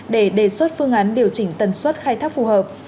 để đề xuất phương án điều chỉnh tần suất khai thác